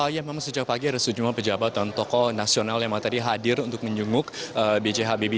ya memang sejak pagi ada sejumlah pejabat dan tokoh nasional yang tadi hadir untuk menjenguk b j habibie